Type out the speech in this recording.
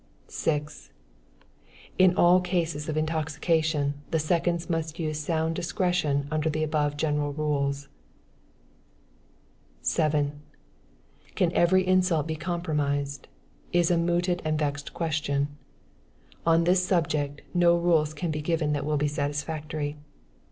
6. In all cases of intoxication, the seconds must use a sound discretion under the above general rules. 7. Can every insult be compromised? is a mooted and vexed question. On this subject, no rules can be given that will be satisfactory.